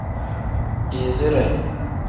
Izire.